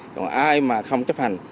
còn ai mà không chấp hành